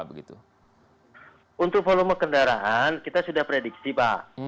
untuk volume kendaraan kita sudah prediksi pak